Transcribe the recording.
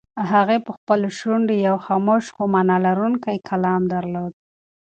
هغې په خپلو شونډو یو خاموش خو مانا لرونکی کلام درلود.